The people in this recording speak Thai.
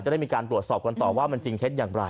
ได้มีการตรวจสอบกันต่อว่ามันจริงเท็จอย่างไร